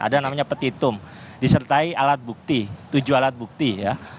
ada namanya petitum disertai alat bukti tujuh alat bukti ya